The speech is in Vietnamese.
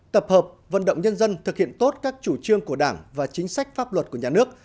tập hợp vận động nhân dân thực hiện tốt các chủ trương của đảng và chính sách pháp luật của nhà nước